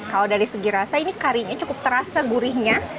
kalau dari segi rasa ini karinya cukup terasa gurihnya